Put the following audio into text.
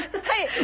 はい。